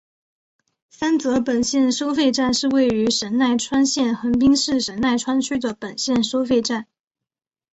三泽本线收费站是位于神奈川县横滨市神奈川区的本线收费站。